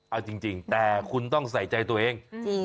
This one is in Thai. เอาจริงแต่คุณต้องใส่ใจตัวเอง